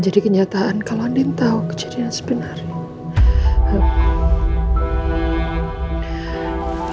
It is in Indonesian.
dari ketika kamu berubah dengan patahips hati kami ya allah